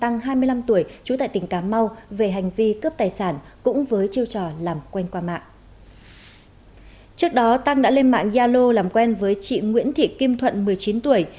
ngày sáu tháng bảy tăng đã lên mạng yalo làm quen với chị nguyễn thị kim thuận một mươi chín tuổi